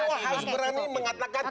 pak prabowo harus berani mengatakan